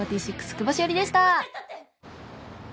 久保史緒里でした